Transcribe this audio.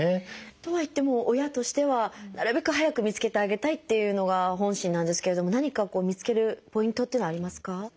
とはいっても親としてはなるべく早く見つけてあげたいっていうのが本心なんですけれども何か見つけるポイントっていうのはありますか？